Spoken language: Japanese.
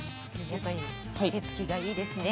やっぱり手つきがいいですね。